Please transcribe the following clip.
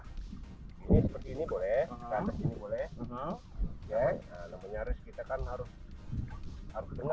seperti ini boleh